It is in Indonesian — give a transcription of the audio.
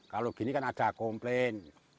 kalau gini kan ada komplain